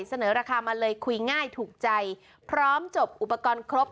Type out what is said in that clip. เสนอราคามาเลยคุยง่ายถูกใจพร้อมจบอุปกรณ์ครบ